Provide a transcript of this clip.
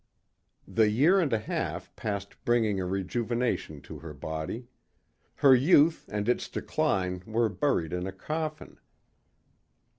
The year and a half passed bringing a rejuvenation to her body. Her youth and its decline were buried in a coffin.